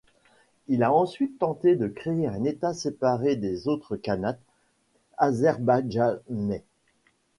Il a ensuite tenté de créer un état séparé des autres khanats azerbaïdjanais.